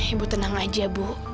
ibu tenang aja bu